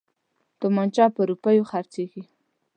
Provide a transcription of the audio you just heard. توپنچه په روپیو خرڅیږي.